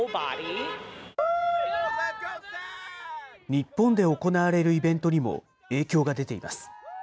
日本で行われるイベントにも影響が出ています。